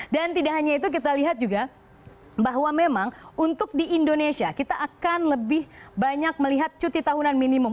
dan tidak hanya itu kita lihat juga bahwa memang untuk di indonesia kita akan lebih banyak melihat cuti tahunan minimum